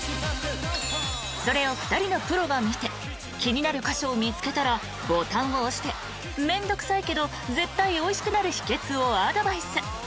［それを２人のプロが見て気になる箇所を見つけたらボタンを押してめんどくさいけど絶対おいしくなる秘訣をアドバイス］